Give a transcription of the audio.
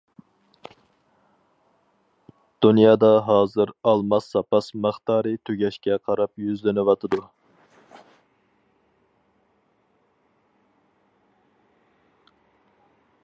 دۇنيادا ھازىر ئالماس زاپاس مىقدارى تۈگەشكە قاراپ يۈزلىنىۋاتىدۇ.